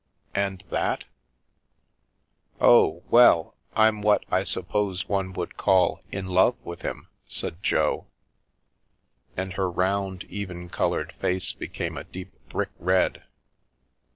"And that?" " Oh, well I I'm what I suppose one would call ' in love ' with him," said Jo, and her round even coloured face became a deep brick red.